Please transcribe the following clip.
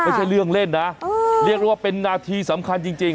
ไม่ใช่เรื่องเล่นนะเรียกได้ว่าเป็นนาทีสำคัญจริง